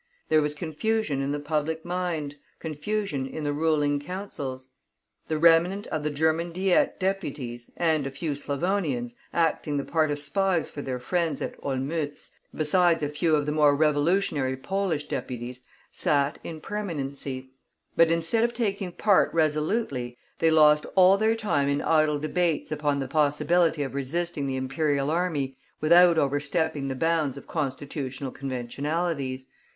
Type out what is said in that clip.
There was confusion in the public mind, confusion in the ruling councils. The remnant of the German Diet deputies, and a few Slavonians, acting the part of spies for their friends at Olmütz, besides a few of the more revolutionary Polish deputies, sat in permanency; but instead of taking part resolutely, they lost all their time in idle debates upon the possibility of resisting the imperial army without overstepping the bounds of constitutional conventionalities.